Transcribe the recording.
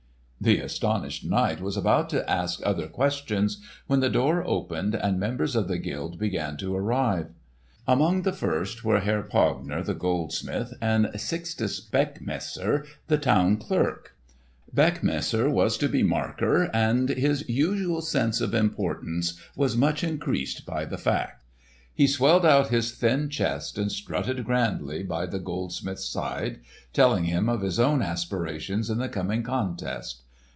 The astonished knight was about to ask other questions when the door opened and members of the guild began to arrive. Among the first were Herr Pogner the goldsmith and Sixtus Beckmesser the town clerk. Beckmesser was to be marker and his usual sense of importance was much increased by the fact. He swelled out his thin chest and strutted grandly by the goldsmith's side, telling him of his own aspirations in the coming contest.